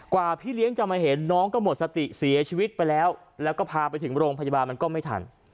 พี่เลี้ยงจะมาเห็นน้องก็หมดสติเสียชีวิตไปแล้วแล้วก็พาไปถึงโรงพยาบาลมันก็ไม่ทัน